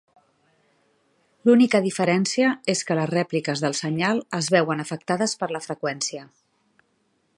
L’única diferència és que les rèpliques del senyal es veuen afectades per la freqüència.